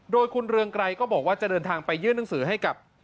โดยคุณเรืองไกรก็บอกว่าจะเดินทางไปยื่นหนังสือให้กับ